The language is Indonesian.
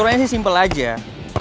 kok gak ada respon sih